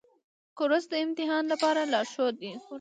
کورس د امتحان لپاره لارښود دی.